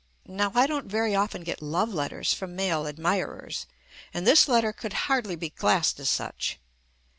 Now I don't very often get love letters from male admirers, and this letter could hardly be classed as such.